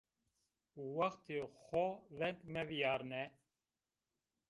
Wextê xo veng mevîyarne